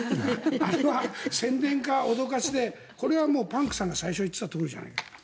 あれは宣伝か、脅かしでこれはパンクさんが最初に言っていたとおりじゃないかな。